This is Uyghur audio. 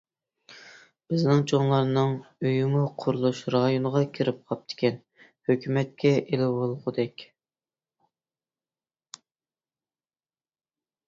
بىزنىڭ چوڭلارنىڭ ئۆيىمۇ قۇرۇلۇش رايونىغا كىرىپ قاپتىكەن، ھۆكۈمەتكە ئېلىۋالغۇدەك.